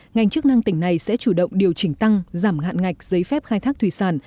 ngành chức năng tỉnh này sẽ chủ động điều chỉnh tăng giảm hạn ngạch giấy phép khai thác thủy sản